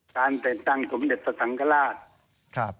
การเป็นตั้งสมเด็จสตรังกราช